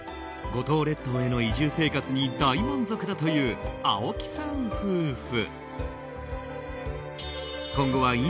五島列島への移住生活に大満足だという青木さん夫婦。